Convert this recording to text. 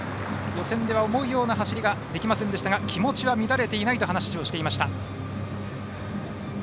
予選では思うような走りができませんでしたが気持ちは乱れていないと話していました。